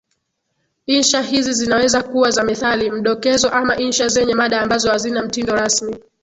Insha hizi zinaweza kuwa za methali, mdokezo ama insha zenye mada ambazo hazina mtindo rasmi.